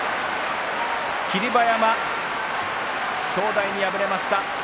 霧馬山、正代に敗れました。